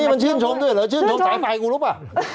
นี่มันชื่นชมด้วยเหรอชื่นชมสายไฟกูรู้ป่ะ